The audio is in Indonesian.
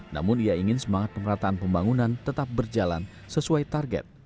namun ia ingin semangat pemerataan pembangunan tetap berjalan sesuai target